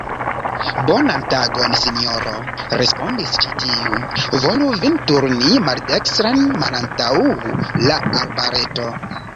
Bonan tagon, sinjoro, respondis ĉi tiu, volu vin turni maldekstren malantaŭ la arbareto.